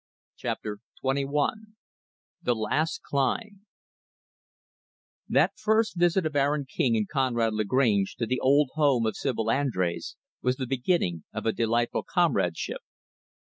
Chapter XXI The Last Climb That first visit of Aaron King and Conrad Lagrange to the old home of Sibyl Andrés was the beginning of a delightful comradeship.